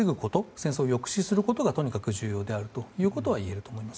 戦争を抑止することがとにかく重要であるということはいえると思います。